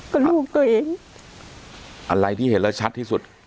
ก็ลูกตัวเองอะไรที่เห็นแล้วชัดที่สุด